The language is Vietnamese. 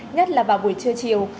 nhất là vào buổi trưa chiều